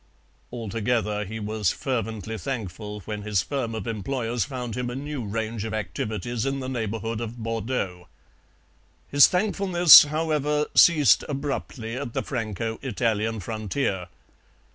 Altogether, he was fervently thankful when his firm of employers found him a new range of activities in the neighbourhood of Bordeaux. His thankfulness, however, ceased abruptly at the Franco Italian frontier.